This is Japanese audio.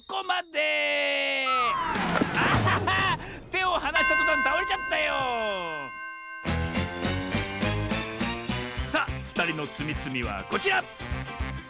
てをはなしたとたんたおれちゃったよさあふたりのつみつみはこちら！